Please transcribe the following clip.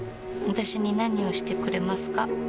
私に何をしてくれますか？